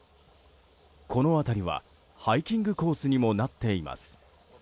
この辺りはハイキングコースにもなっています。